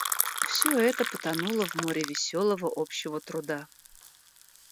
Всё это потонуло в море веселого общего труда.